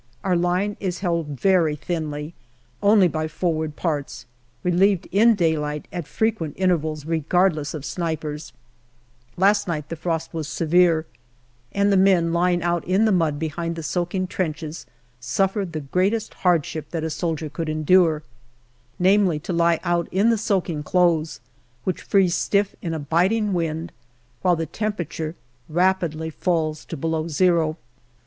Our line is held very thinly, only by forward parts, relieved in daylight at frequent intervals regardless of snipers. 276 GALLIPOLI DIARY Last night the frost was severe, and the men lying out in the mud behind the soaking trenches suffered the greatest hardship that a soldier could endure namely to lie out in the soaking clothes, which freeze stiff in a biting wind, while the temperature rapidly falls to below zero.